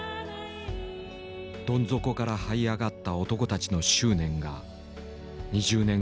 どん底からはい上がった男たちの執念が２０年